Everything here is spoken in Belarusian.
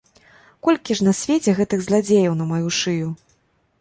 Колькі ж на свеце гэтых зладзеяў на маю шыю!